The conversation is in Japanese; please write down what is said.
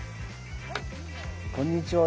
こんにちは。